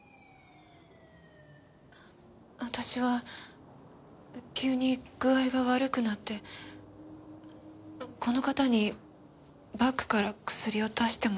私は急に具合が悪くなってこの方にバッグから薬を出してもらって。